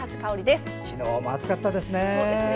昨日も暑かったですね。